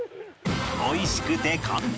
おいしくて簡単！